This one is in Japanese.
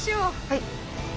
はい。